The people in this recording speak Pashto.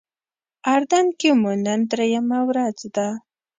اردن کې مو نن درېیمه ورځ ده.